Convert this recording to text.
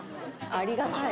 ありがたい。